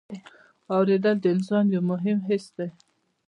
اورېدل د انسان یو مهم حس دی.